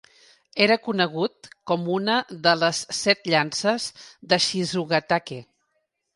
Era conegut com una de les "Set Llances de Shizugatake".